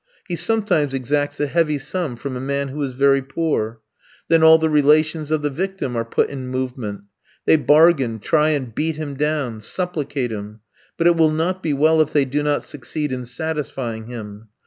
He sometimes exacts a heavy sum from a man who is very poor. Then all the relations of the victim are put in movement. They bargain, try and beat him down, supplicate him; but it will not be well if they do not succeed in satisfying him.